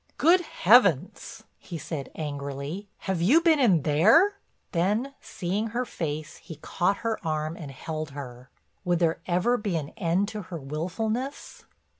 "Good heavens!" he said angrily, "have you been in there?" Then, seeing her face, he caught her arm and held her. Would there ever be an end to her willfulness!